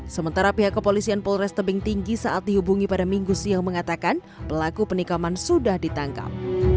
sementara pihak kepolisian polres tebing tinggi saat dihubungi pada minggu siang mengatakan pelaku penikaman sudah ditangkap